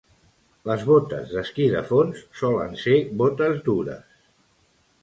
Les botes d'esquí de fons solen ser botes dures.